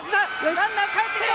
ランナー、かえってくる！